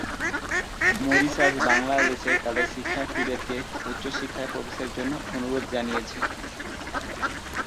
Mauritius বাংলাদেশে তাদের শিক্ষার্থীদেরকে উচ্চশিক্ষায় প্রবেশের জন্য অনুরোধ জানিয়েছে।